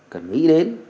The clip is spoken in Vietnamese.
cần nghĩ đến